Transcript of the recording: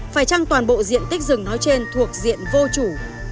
phải chăng toàn bộ diện tích rừng nói trên thuộc diện vô chủ